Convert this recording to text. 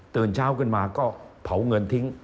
ตื่นเช้าขึ้นมาก็เผาเงินทิ้ง